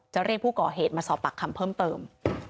เรียกผู้ก่อเหตุมาสอบปากคำเพิ่มเติม